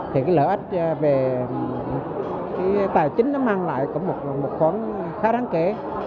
thì cái lợi ích về cái tài chính nó mang lại cũng một khoản khá đáng kể